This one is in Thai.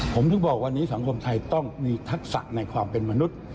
ผมถึงบอกวันนี้สังคมไทยต้องมีทักษะในความเป็นมนุษย์